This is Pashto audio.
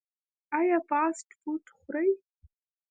ایا فاسټ فوډ خورئ؟